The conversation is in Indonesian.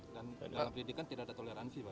dan dalam pendidikan tidak ada toleransi